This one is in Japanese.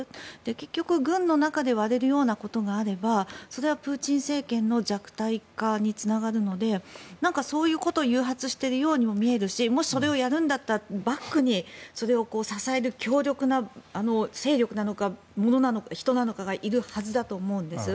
結局、軍の中で割れるようなことがあればそれはプーチン政権の弱体化につながるのでそういうことを誘発しているようにも見えるしもし、それをやるんだったらバックにそれを支える強力な勢力なのか人なのかがいるはずだと思うんです。